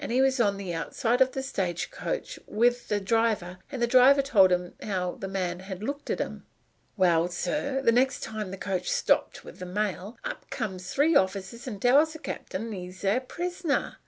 He was on the outside of the stage coach with the driver, and it was the driver that told him how the man had looked at him. "Well, sir, the next time the coach stopped with the mail, up comes three officers and tells the cap'n he's their prisoner.